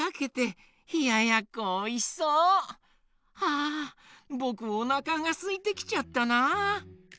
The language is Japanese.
あぼくおなかがすいてきちゃったな。